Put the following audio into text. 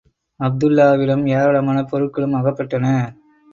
அப்துல்லாஹ்விடம் ஏராளமான பொருள்களும் அகப்பட்டன.